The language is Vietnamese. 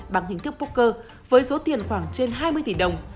bằng hình thức poker với số tiền khoảng trên hai mươi tỷ đồng